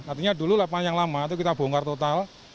artinya dulu lapangan yang lama itu kita bongkar total